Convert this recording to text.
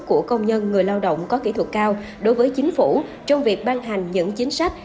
của công nhân người lao động có kỹ thuật cao đối với chính phủ trong việc ban hành những chính sách